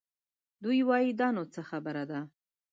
دوی وايي دا نو څه خبره ده؟